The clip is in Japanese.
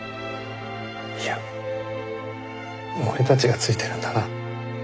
いや俺たちがついてるんだな。